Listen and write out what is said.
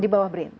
di bawah brin